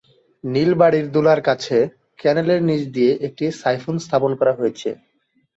নিলবাড়ীর দোলার কাছে ক্যানেলের নিচ দিয়ে একটি সাইফোন স্থাপন করা হয়েছে।